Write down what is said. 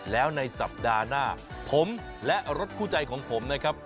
แล้วในสัปดาห์หน้าผมและรถคู่ใจของผมนะครับ